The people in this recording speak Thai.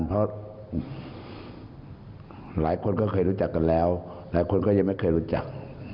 เพราะหลายคนก็เคยรู้จักกันแล้วหลายคนก็ยังไม่เคยรู้จัก